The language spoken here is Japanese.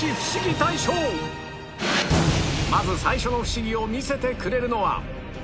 まず最初のフシギを見せてくれるのは